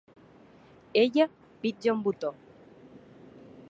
Ella pitja un botó.